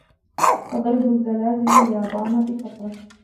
تضرب الزلازل اليابان بكثرة.